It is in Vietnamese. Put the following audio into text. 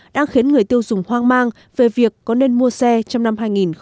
đang khiến người tiêu dùng hoang mang về việc có nên mua xe trong năm hai nghìn một mươi chín